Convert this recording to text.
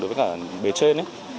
với cả bế trên